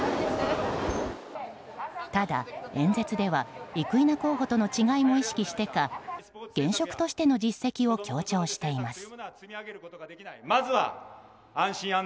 ただ、演説では生稲候補との違いも意識してか現職としての実績を強調しています。